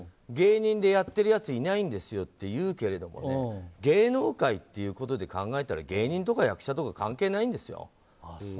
芸人でやってるやついないんですよって言うけれどもね芸能界っていうことで考えたら芸人とか役者とか関係ないんですよ。